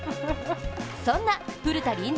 そんな古田臨時